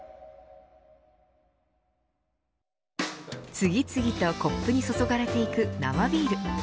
次々とコップに注がれていく生ビール。